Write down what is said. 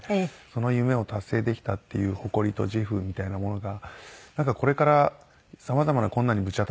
その夢を達成できたっていう誇りと自負みたいなものがなんかこれから様々な困難にぶち当たっても。